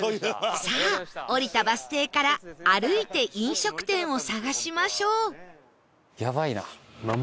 さあ降りたバス停から歩いて飲食店を探しましょう